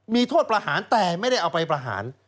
มีโทษประหารแต่ไม่ได้เอาไปประหาร